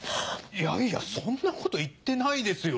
いやいやそんなこと言ってないですよ。